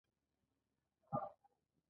هر څه کوه.